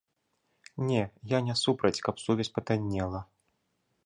Не, я не супраць, каб сувязь патаннела.